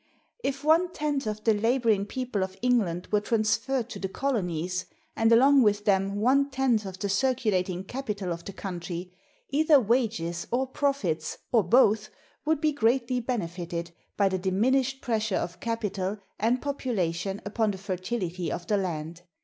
If one tenth of the laboring people of England were transferred to the colonies, and along with them one tenth of the circulating capital of the country, either wages, or profits, or both, would be greatly benefited, by the diminished pressure of capital and population upon the fertility of the land.